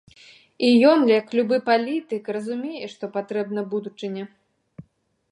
І ён, як любы палітык, разумее, што патрэбна будучыня.